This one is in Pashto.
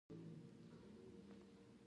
کله به راسې؟